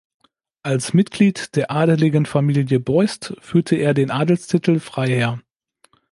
Als Mitglied der adeligen Familie Beust führte er den Adelstitel "Freiherr".